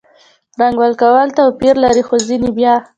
رنګ ورکول توپیر لري – خو ځینې بیا